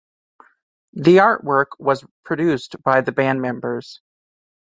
The artwork was produced by the band members.